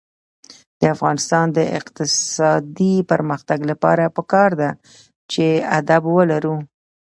د افغانستان د اقتصادي پرمختګ لپاره پکار ده چې ادب ولرو.